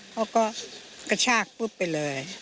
เขาก็กระชากปุ๊บไปเลย